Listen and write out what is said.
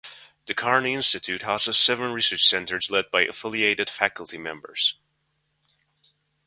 The Carney Institute houses seven research centers led by affiliated faculty members.